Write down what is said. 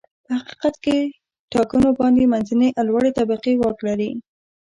په حقیقت کې ټاکنو باندې منځنۍ او لوړې طبقې واک لري.